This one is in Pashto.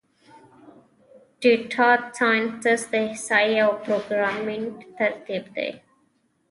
ډیټا سایننس د احصایې او پروګرامینګ ترکیب دی.